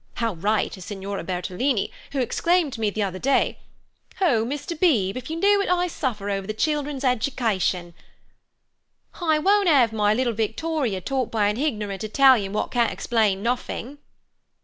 How right is Signora Bertolini, who exclaimed to me the other day: 'Ho, Mr. Beebe, if you knew what I suffer over the children's edjucaishion. Hi won't 'ave my little Victorier taught by a hignorant Italian what can't explain nothink!